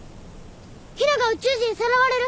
陽菜が宇宙人にさらわれる！